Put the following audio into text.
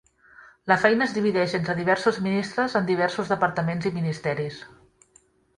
La feina es divideix entre diversos ministres en diversos departaments i ministeris.